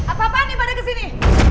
apa apaan ibadah kesini